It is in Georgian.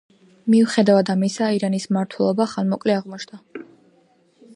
მიუხედავად ამისა, ირინას მმართველობა ხანმოკლე აღმოჩნდა.